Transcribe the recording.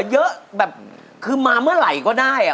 ยิ่งรักเธอต่อยิ่งเสียใจ